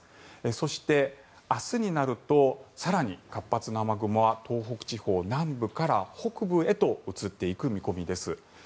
そして明日になると更に活発な雨雲は東北地方南部から北部へと移っていく見込みです。